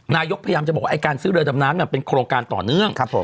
นายกพยายามจะบอกว่าการซื้อเรือดำน้ำมันเป็นโครงการต่อเนื่อง